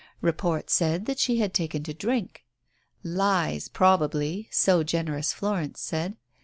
Report said that she had taken to drink. Lies probably, so generous Florence said.